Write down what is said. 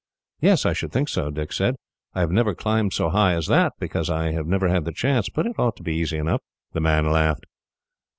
"Yes, I should think so," Dick said. "I have never climbed so high as that, because I have never had the chance; but it ought to be easy enough." The man laughed.